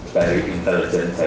dari intelijen saya ada